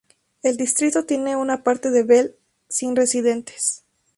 El distrito tiene una parte de Bell sin residentes.